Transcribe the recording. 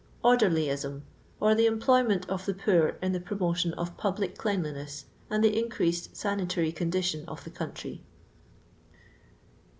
Ordcrlyism, or the employment of the poor in the promotion of public cleanliness, aiid the increased sanitary condition of the country.